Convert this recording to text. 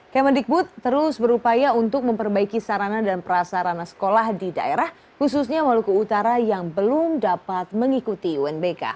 kemendikbud terus berupaya untuk memperbaiki sarana dan prasarana sekolah di daerah khususnya maluku utara yang belum dapat mengikuti unbk